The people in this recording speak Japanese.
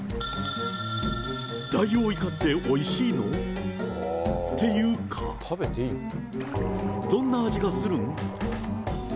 ダイオウイカっておいしいの？っていうか、どんな味がするん？